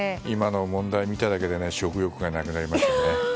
今の問題見ただけで食欲がなくなりますね。